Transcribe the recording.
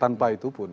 tanpa itu pun